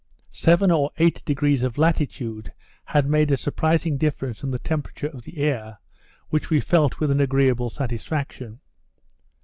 Seven or eight degrees of latitude had made a surprising difference in the temperature of the air, which we felt with an agreeable satisfaction.